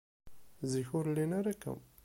Zik, ur llin ara akka.